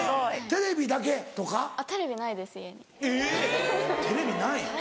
テレビないです